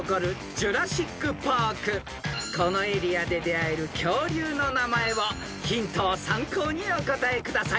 ［このエリアで出合える恐竜の名前をヒントを参考にお答えください］